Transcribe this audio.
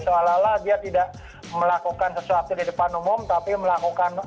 seolah olah dia tidak melakukan sesuatu di depan umum tapi melakukan